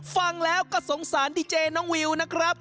ฟังแล้วก็สงสารดีเจน้องวิวนะครับ